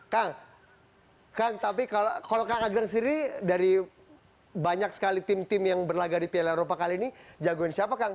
kang kang tapi kalau kang agren sendiri dari banyak sekali tim tim yang berlagak di piala eropa kali ini jagoin siapa kang